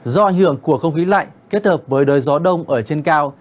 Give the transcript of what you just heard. do ảnh hưởng của không khí lạnh kết hợp với đới gió đông ở trên cao